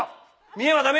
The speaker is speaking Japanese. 見えは駄目。